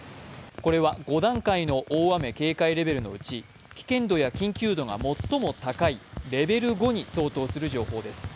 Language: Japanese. これは５段階の大雨警戒レベルのうち危険度や緊急度が最も高いレベル５に相当する情報です